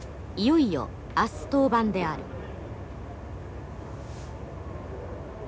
いよいよ明日登板である。